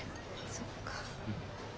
そっか。